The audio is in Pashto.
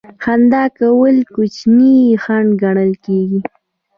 خندا کول کوچنی خنډ ګڼل کیږي.